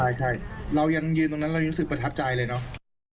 ใช่เรายังยืนตรงนั้นเรารู้สึกประทับใจเลยเนาะ